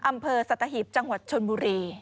อำเภอสัตหีบจังหวัดชนบุรี